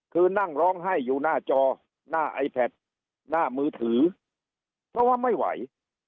คือนั่งร้องไห้อยู่หน้าจอหน้าไอแพทหน้ามือถือเพราะว่าไม่ไหว